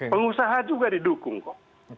pengusaha juga didukung kok